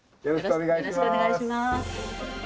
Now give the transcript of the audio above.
よろしくお願いします。